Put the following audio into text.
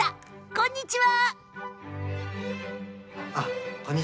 こんにちは。